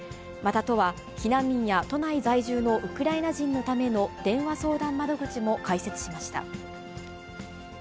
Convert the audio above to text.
また、都は、避難民や都内在住のウクライナ人のための電話相談窓口も開設しました。